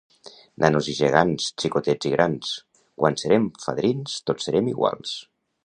Nanos i gegants, xicotets i grans, quan serem fadrins, tots serem iguals!